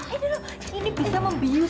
ini bisa membius